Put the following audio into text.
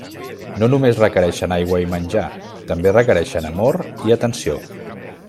No només requereixen aigua i menjar: també requereixen amor i atenció.